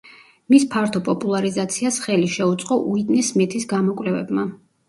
მის ფართო პოპულარიზაციას ხელი შეუწყო უიტნი სმითის გამოკვლევებმა.